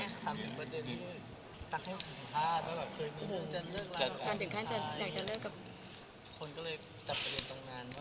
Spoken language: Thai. ดูดิ่งหน่อย